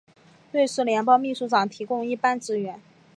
瑞士联邦秘书长提供一般支援。